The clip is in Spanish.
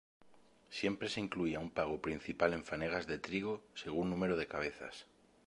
Siempre se incluía un pago principal en fanegas de trigo según número de cabezas.